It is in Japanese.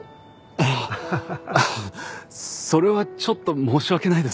ああそれはちょっと申し訳ないです。